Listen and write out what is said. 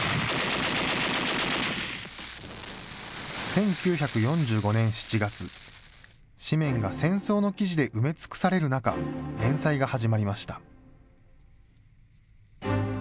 １９４５年７月、紙面が戦争の記事で埋め尽くされる中、連載が始まりました。